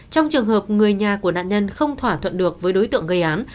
trong trường hợp người nhà của nạn nhân không thỏa thuận được với đối tượng gây án